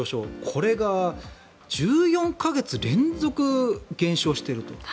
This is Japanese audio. これが１４か月連続減少していると。